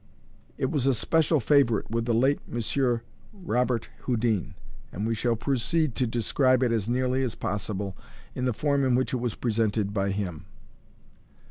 It was a special favourite with the late M. Robert Houdin, and we shall proceed to describe it as nearly as possible in the form in which it was presented by him.